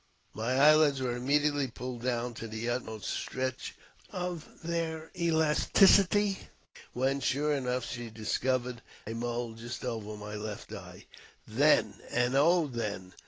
My eyelids were immediately pulled down to the utmost stretch of their elasticity, when, sure enough, she discovered a mole just over my left eye !" Then, and oh then!